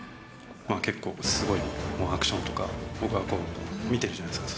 結構、すごいもう、アクションとか、僕は見てるじゃないですか。